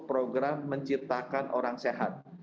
program menciptakan orang sehat